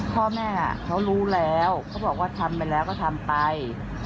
พ่อแม่เขารู้แล้วเขาบอกว่าทำไปแล้วก็ทำไป